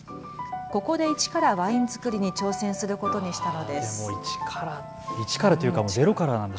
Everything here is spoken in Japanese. ここで一からワイン作りに挑戦することにしたのです。